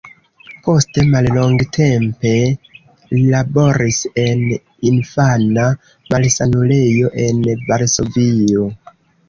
Poste mallongtempe laboris en infana malsanulejo en Varsovio.